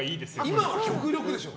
今は極力でしょ。